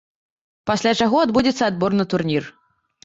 Пасля чаго адбудзецца адбор на турнір.